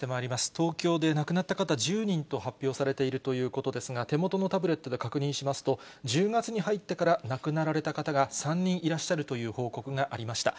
東京で亡くなった方１０人と発表されているということですが、手元のタブレットで確認しますと、１０月に入ってから亡くなられた方が３人いらっしゃるという報告がありました。